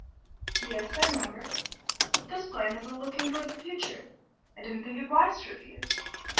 "Yes, I remember; but this plan is a looking toward the future. I didn't think it wise to refuse."